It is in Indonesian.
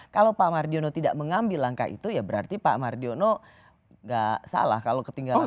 kalau pak mardiono tidak mengambil langkah itu ya berarti pak mardiono nggak salah kalau ketinggalan